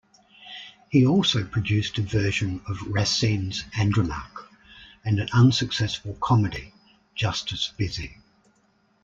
He also produced a version of Racine's "Andromaque", and an unsuccessful comedy, "Justice Busy".